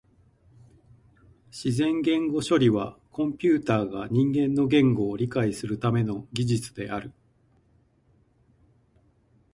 自然言語処理はコンピュータが人間の言語を理解するための技術である。